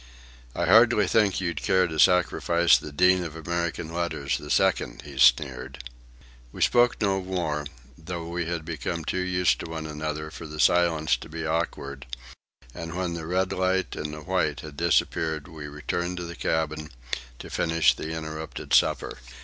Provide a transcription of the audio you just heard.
"I hardly think you'll care to sacrifice the Dean of American Letters the Second," he sneered. We spoke no more, though we had become too used to one another for the silence to be awkward; and when the red light and the white had disappeared we returned to the cabin to finish the interrupted supper.